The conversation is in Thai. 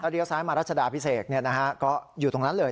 เลี้ยซ้ายมารัชดาพิเศษก็อยู่ตรงนั้นเลย